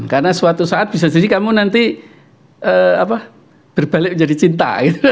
karena suatu saat bisa jadi kamu nanti berbalik menjadi cinta gitu